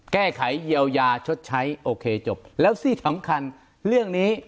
แก้ไขเยียวยาชดใช้โอเคจบแล้วที่สำคัญเรื่องนี้